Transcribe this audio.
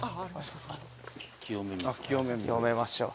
清めましょう。